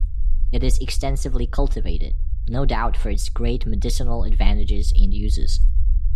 It is extensively cultivated, no doubt for its great medicinal advantages and uses.